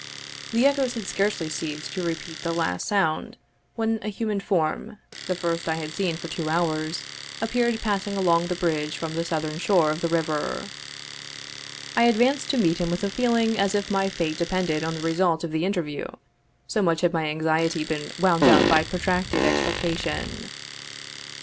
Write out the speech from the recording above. The echoes had scarcely ceased to repeat the last sound, when a human form the first I had seen for two hours appeared passing along the bridge from the southern shore of the river. I advanced to meet him with a feeling as if my fate depended on the result of the interview, so much had my anxiety been wound up by protracted expectation.